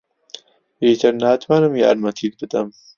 ئیتر ناتوانم یارمەتیت بدەم.